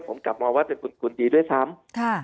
ผมกลับมองว่าเป็นคุณดีด้วยซ้ำ